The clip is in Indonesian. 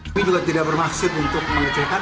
tapi juga tidak bermaksud untuk mengecekan